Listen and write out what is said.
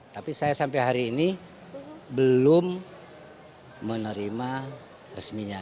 tapi saya sampai hari ini belum menerima resminya